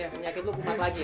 ya penyakit lo umat lagi ya